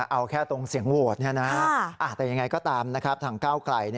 เอาแค่ตรงเสียงโวทรเนี่ยนะแต่ยังไงก็ตามนะครับ